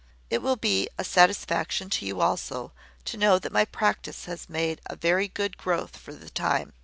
It will be a satisfaction to you also to know that my practice has made a very good growth for the time.